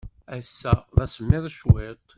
Ass-a, d asemmiḍ cwiṭ.